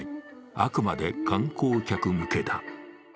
あくまで観光客向けだ。